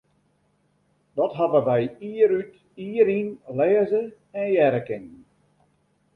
Dat hawwe wy jier út, jier yn lêze en hearre kinnen.